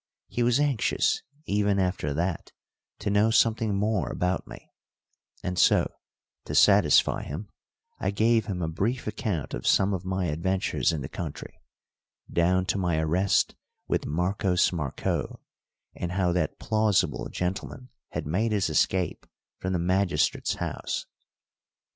He was anxious, even after that, to know something more about me, and so to satisfy him I gave him a brief account of some of my adventures in the country, down to my arrest with Marcos Marcó, and how that plausible gentleman had made his escape from the magistrate's house.